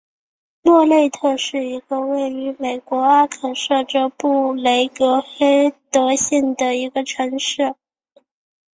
莫内特是一个位于美国阿肯色州克雷格黑德县的城市。